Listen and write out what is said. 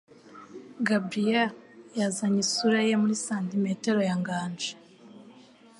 Gabriel yazanye isura ye muri santimetero ya Nganji.